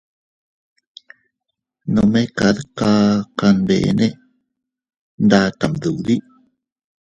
Nome kad kaʼa kanbene nda tam duddi.